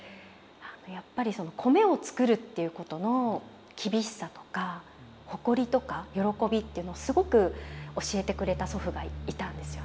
やっぱりその米を作るっていうことの厳しさとか誇りとか喜びっていうのをすごく教えてくれた祖父がいたんですよね。